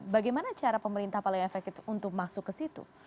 bagaimana cara pemerintah paling efektif untuk masuk ke situ